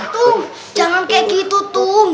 tung jangan kayak gitu tung